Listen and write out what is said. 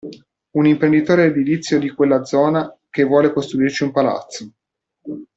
Un imprenditore edilizio di quella zona, che vuole costruirci un palazzo.